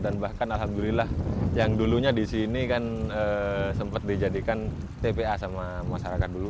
dan bahkan alhamdulillah yang dulunya di sini kan sempat dijadikan tpa sama masyarakat dulu